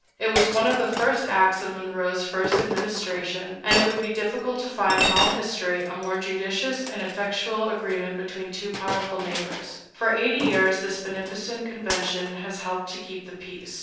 It was one of the first acts of Monroe's first administration, and it would be difficult to find in all history a more judicious or effectual agreement between two powerful neighbors. For eighty years this beneficent convention has helped to keep the peace.